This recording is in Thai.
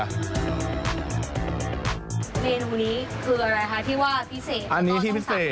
เมนูนี้คืออะไรคะที่ว่าพิเศษ